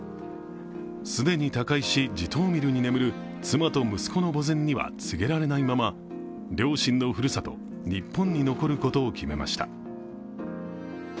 既に他界し、ジトーミルに残る妻と息子の墓前には告げられないまま、両親のふるさと・日本に残ることを決めました。